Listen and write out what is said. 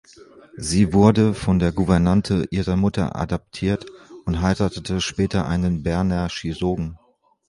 Sie wurde von der Gouvernante ihrer Mutter adoptiert und heiratete später einen Berner Chirurgen.